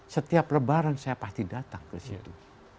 setiap lebaran saya pasti datang ke situ